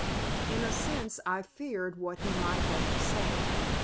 In a sense I feared what he might have to say.